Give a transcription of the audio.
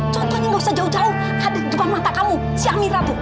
contohnya gak usah jauh jauh hadir di depan mata kamu si amira tuh